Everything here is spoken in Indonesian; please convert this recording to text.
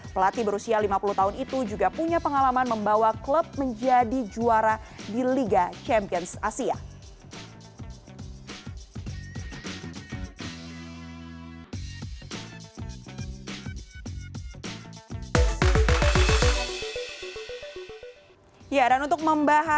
pelatih berusia lima puluh tahun itu juga punya pengalaman membawa klub menjadi juara di liga champions asia